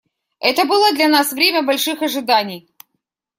Это было для нас время больших ожиданий.